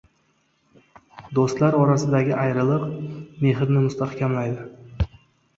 • Do‘stlar orasidagi ayriliq mehrni mustahkamlaydi.